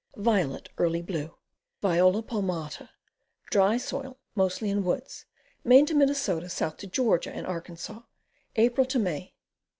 Violet, Early Blue. Viola palmata. Dry soil, mostly in woods. Me. to Minn., south to Ga. and Ark. April May.